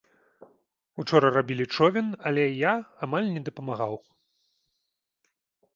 Учора рабілі човен, але я амаль не дапамагаў.